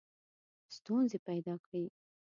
ستونزي پیدا کړي.